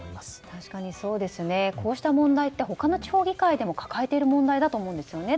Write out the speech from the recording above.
確かに、こうした問題って他の地方議会でも抱えている問題だと思うんですね。